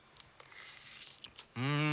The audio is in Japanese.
うん！